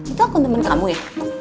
itu aku temen kamu ya